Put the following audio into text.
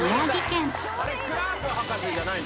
「あれクラーク博士じゃないの？